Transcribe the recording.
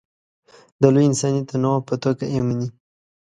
د لوی انساني تنوع په توګه یې مني.